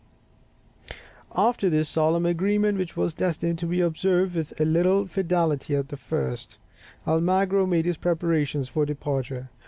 ] After this solemn agreement, which was destined to be observed with as little fidelity as the first, Almagro made his preparations for departure.